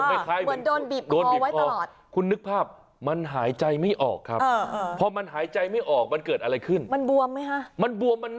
อันนี้ก็คือขั้นแรกว่าใคร